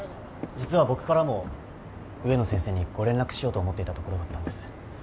実は僕からも植野先生にご連絡しようと思っていたところだったんです。